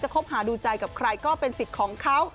คบหาดูใจกับใครก็เป็นสิทธิ์ของเขา